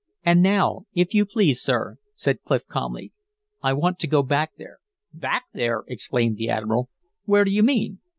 "And now, if you please, sir," said Clif, calmly, "I want to go back there." "Back there!" exclaimed the admiral. "Where do you mean?"